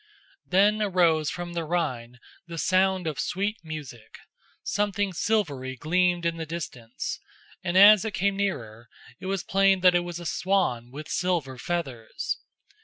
Then arose from the Rhine the sound of sweet music; something silvery gleamed in the distance, and as it came nearer it was plain that it was a swan with silver feathers.